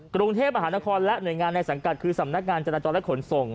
กรุงเทพมหานครและหน่วยงานในสังกัดคือสำนักงานจราจรและขนส่ง